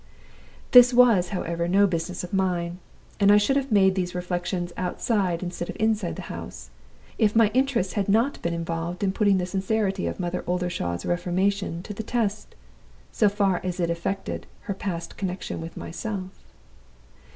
This was, however, no business of mine; and I should have made these reflections outside instead of inside the house, if my interests had not been involved in putting the sincerity of Mother Oldershaw's reformation to the test so far as it affected her past connection with myself.